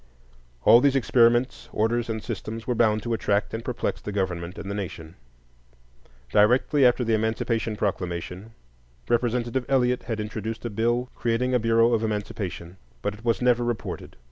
All these experiments, orders, and systems were bound to attract and perplex the government and the nation. Directly after the Emancipation Proclamation, Representative Eliot had introduced a bill creating a Bureau of Emancipation; but it was never reported.